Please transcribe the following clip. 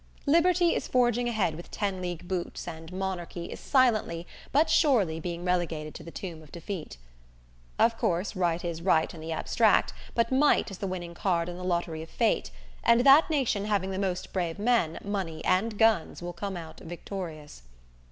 Liberty is forging ahead with ten league boots and monarchy is silently, but surely being relegated to the tomb of defeat. Of course, right is right in the abstract, but might is the winning card in the lottery of Fate, and that nation having the most brave men, money and guns will come out victorious!